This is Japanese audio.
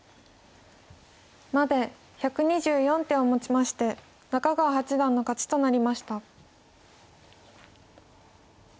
まで１２４手をもちまして中川八段の勝ちとなりました。